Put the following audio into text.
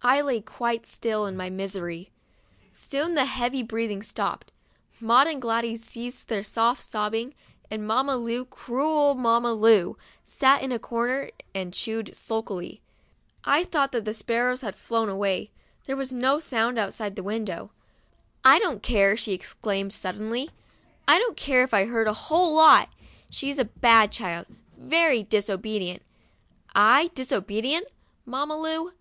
I lay quite still in my misery. Soon the heavy breathing stopped. Maud and Gladys ceased their soft sobbing, and Mamma Lu — cruel Mamma Lu — sat in a corner and chewed sulkily. I thought that the sparrows had flown away ; there was no sound outside of the window. 1 1 don't care," she exclaimed, sud y; 'I don't care if it hurt a whole She's a bad child, very disobe dient." I disobedient, Mam ma Lu